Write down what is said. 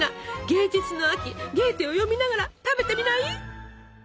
芸術の秋ゲーテを読みながら食べてみない？